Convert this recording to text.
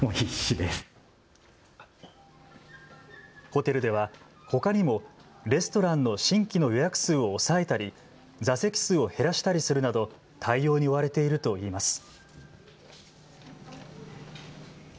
ホテルではほかにもレストランの新規の予約数を抑えたり座席数を減らしたりするなど対応に追われているといいます。